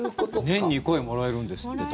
年２回もらえるんですって。